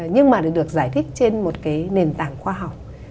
nhưng mà được giải thích trên một cái nền tảng khoa học